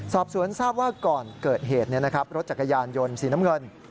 สอบสวนทราบว่าก่อนเกิดเหตุรถจักรยานยนต์สีน้ำเงิน